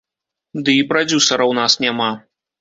Ды і прадзюсара ў нас няма.